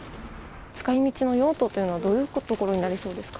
使いみちの用途というのはどういうところになりそうですか？